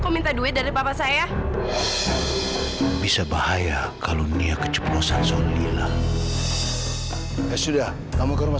kau minta duit dari papa saya bisa bahaya kalau nia keceprosan solila sudah kamu ke rumah